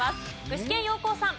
具志堅用高さん。